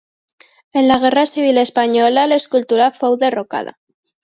En la Guerra Civil Espanyola l'escultura fou derrocada.